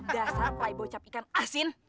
dasar pak ibo cap ikan asin